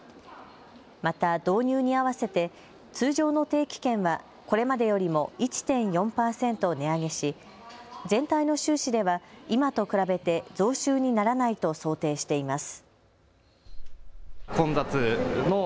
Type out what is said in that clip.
また導入に合わせて通常の定期券はこれまでよりも１．４％値上げし全体の収支では今と比べて増収にならないと想定しています。